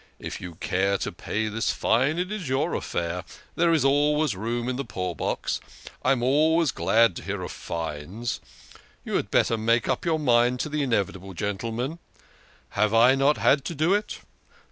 If you care to pay this fine it is your affair. There is always room in the poor box. I am always glad to hear of fines. You had better make up your mind to the inevitable, gentlemen. Have I not had to do it?